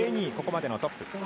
ここまでのトップ。